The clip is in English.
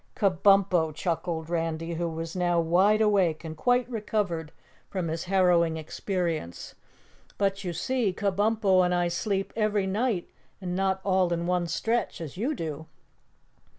"Kabumpo," chuckled Randy, who was now wide awake and quite recovered from his harrowing experience. "But you see, Kabumpo and I sleep every night and not all in one stretch as you do."